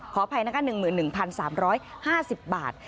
ขออภัยนะคะ๑๑๓๕๐บาท